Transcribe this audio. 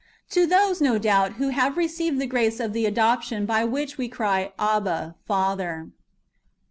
^ To those, no doubt, who have received the grace of the " adoption, by which we cry, Abba Father."